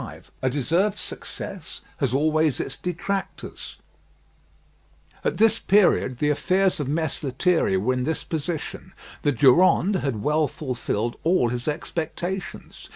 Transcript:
V A DESERVED SUCCESS HAS ALWAYS ITS DETRACTORS At this period the affairs of Mess Lethierry were in this position: The Durande had well fulfilled all his expectations.